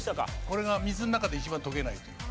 これが水の中で一番溶けないという。